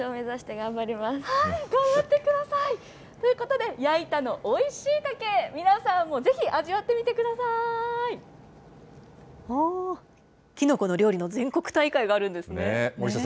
頑張ってください。ということで、やいたのおいしいたけ、皆さんもぜひ味わってみてきのこの料理の全国大会があるんですね。